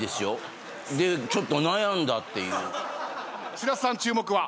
白洲さん注目は？